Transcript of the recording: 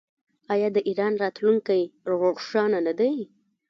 آیا د ایران راتلونکی روښانه نه دی؟